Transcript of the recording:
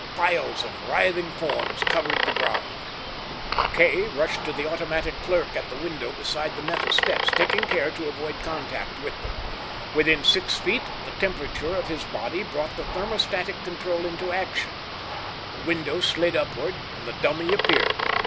Files of writhing forms covered the ground. Kay rushed to the automatic clerk at the window beside the metal steps, taking care to avoid contact with them. Within six feet, the temperature of his body brought the thermostatic control into action; the window slid upward and the dummy appeared.